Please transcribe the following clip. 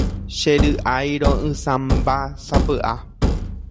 Chery'airo'ysãmbásapy'a.